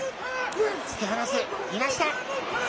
突き放す、いなした。